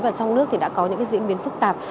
và trong nước thì đã có những diễn biến phức tạp